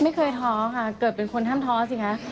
ท้อค่ะเกิดเป็นคนห้ามท้อสิคะ